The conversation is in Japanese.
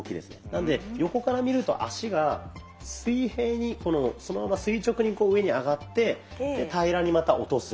なので横から見ると足が水平にそのまま垂直に上に上がってで平らにまた落とす。